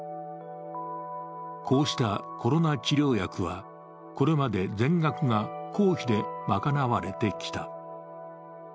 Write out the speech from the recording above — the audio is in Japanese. こうしたコロナ治療薬はこれまで全額が公費でまかなわれてきた。